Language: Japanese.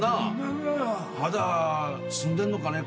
まだ住んでんのかね？